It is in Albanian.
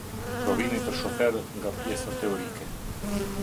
Provimi për shoferë nga pjesa teorike.